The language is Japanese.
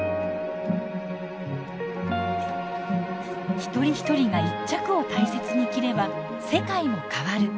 一人一人が一着を大切に着れば世界も変わる。